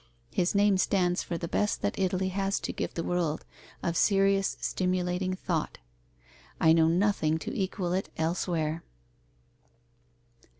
His name stands for the best that Italy has to give the world of serious, stimulating thought. I know nothing to equal it elsewhere.